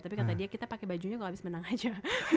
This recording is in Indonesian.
tapi kata dia kita pake bajunya kalo abis menang aja